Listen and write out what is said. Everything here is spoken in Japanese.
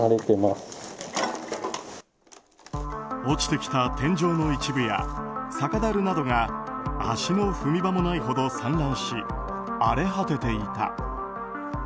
落ちてきた天井の一部や酒だるなどが足の踏み場もないほど散乱し荒れ果てていた。